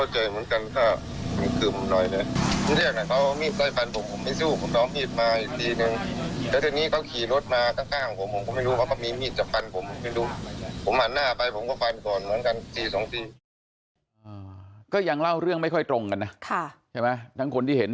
ก็ยังเล่าเรื่องไม่ค่อยตรงกันนะใช่ไหมทั้งคนที่เห็น